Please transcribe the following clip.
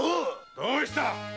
どうした！